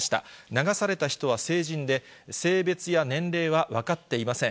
流された人は成人で、性別や年齢は分かっていません。